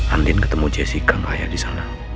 andin ketemu jessica gak ada di sana